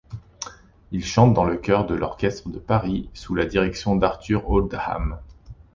Il chante dans le chœur de l'Orchestre de Paris, sous la direction d'Arthur Oldham.